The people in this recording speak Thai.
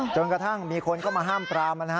จนกระทั่งมีคนก็มาห้ามปลามัน